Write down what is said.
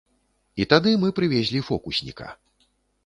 І тады мы прывезлі фокусніка.